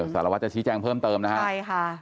สารวัตรจะชี้แจ้งเพิ่มเติมนะฮะใช่ค่ะ